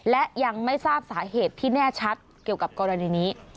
และยังไม่ทราบสาเหตุที่แน่ชัดเกี่ยวกับกรณีนี้